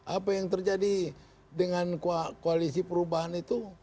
apa yang terjadi dengan koalisi perubahan itu